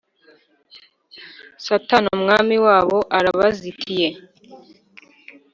satani umwami wabo arabazitiye,